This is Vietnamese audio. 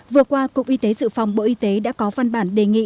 vừa qua cục y tế dự phòng bộ y tế đã có văn bản đề nghị